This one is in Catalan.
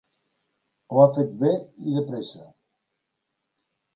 Ho ha fet bé i de pressa.